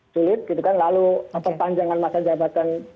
sulit gitu kan lalu perpanjangan masa jabatan